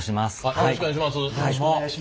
よろしくお願いします。